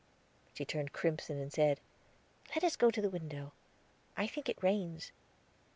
She turned crimson, and said: "Let us go to the window; I think it rains."